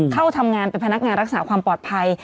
เข้าทำงานเป็นพนักงานรักษาความปลอดภัย